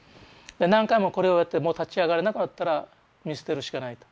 何回もこれをやってもう立ち上がれなくなったら見捨てるしかないと。